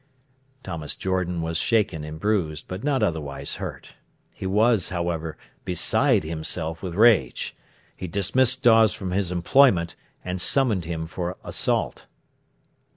Thomas Jordan was shaken and bruised, not otherwise hurt. He was, however, beside himself with rage. He dismissed Dawes from his employment, and summoned him for assault.